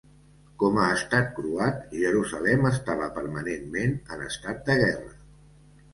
Com a estat croat, Jerusalem estava permanentment en estat de guerra.